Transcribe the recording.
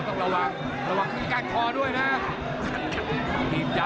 ต้องระวังระวังมีก้านคอด้วยนะ